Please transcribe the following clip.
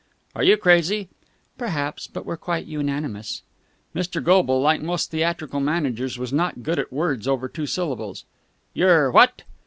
"Are you crazy?" "Perhaps. But we're quite unanimous." Mr. Goble, like most theatrical managers, was not good at words over two syllables. "You're what?"